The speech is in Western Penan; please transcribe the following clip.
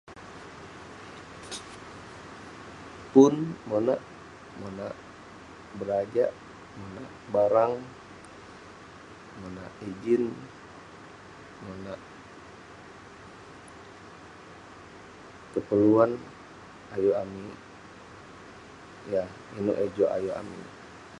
Pun monak, monak berajak, monak barang, monak ijin, monak keperluan. Ayuk amik yah inouk eh juk ayuk amik.